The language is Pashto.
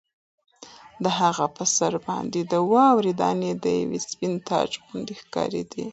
د هغه په سر باندې د واورې دانې د یوه سپین تاج غوندې ښکارېدې.